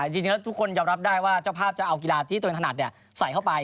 จริงแล้วทุกคนยอมรับได้ว่าเจ้าภาพจะเอากีฬาที่ตัวเองถนัดใส่เข้าไป